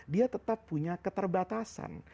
dia tetap punya keterbatasan